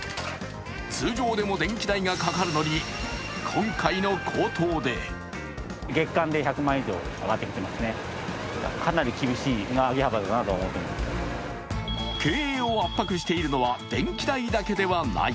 通常でも電気代がかかるのに今回の高騰で経営を圧迫しているのは電気代だけではない。